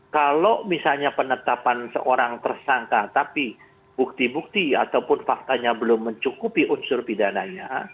kalau misalnya penetapan seorang tersangka tapi bukti bukti ataupun faktanya belum mencukupi unsur pidananya